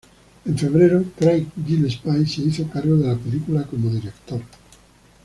En febrero, Craig Gillespie se hizo cargo de la película como director.